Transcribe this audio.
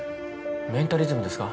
メンタリズムですか？